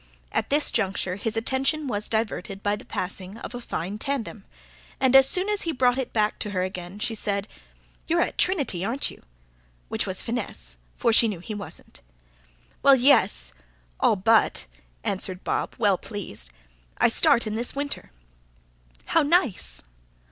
At this juncture his attention was diverted by the passing of a fine tandem; and as soon as he brought it back to her again, she said: 'You're at Trinity, aren't you?' which was finesse; for she knew he wasn't. "Well, yes ... all but," answered Bob well pleased. "I start in this winter." "How nice!"